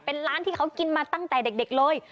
เป็นร้านที่เขากินมาตั้งแต่เด็กเลย